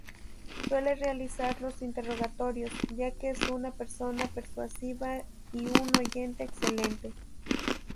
Suele realizar los interrogatorios, ya que es una persona persuasiva y un oyente excelente.